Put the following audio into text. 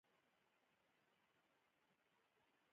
مني د فکر موسم دی